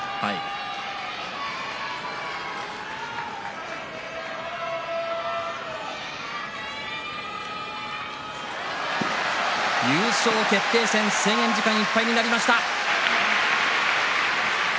拍手と歓声優勝決定戦制限時間いっぱいになりました。